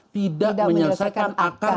tidak menyelesaikan akar